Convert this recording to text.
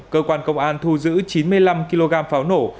cơ quan công an thu giữ chín mươi năm kg pháo nổ